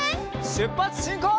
しゅっぱつしんこう！